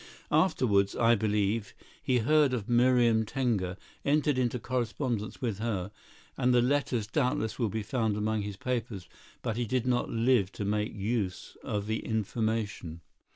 Afterward, I believe, he heard of Miriam Tenger, entered into correspondence with her, and the letters doubtless will be found among his papers; but he did not live to make use of the information.